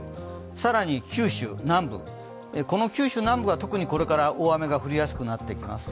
更に九州南部、この九州南部が特にこれから大雨が降りやすくなってきます。